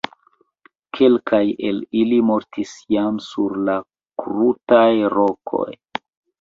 Kelkaj el ili mortis jam sur la krutaj rokoj.